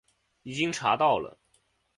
已经查到了